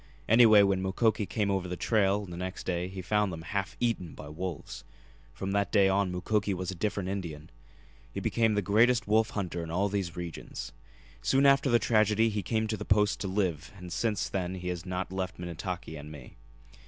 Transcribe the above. Anyway, when Mukoki came over the trail the next day he found them half eaten by wolves. From that day on Mukoki was a different Indian. He became the greatest wolf hunter in all these regions. Soon after the tragedy he came to the Post to live and since then he has not left Minnetaki and me.